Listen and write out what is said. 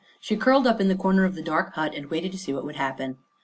She curled up in the corner of the dark hut and waited to see what would happen.